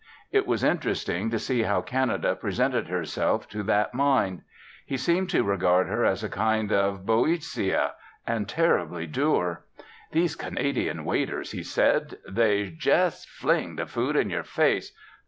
It was interesting to see how Canada presented herself to that mind. He seemed to regard her as a kind of Boeotia, and terrifyingly dour. "These Canadian waiters," he said, "they jes' fling the food in y'r face.